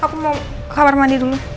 aku mau kamar mandi dulu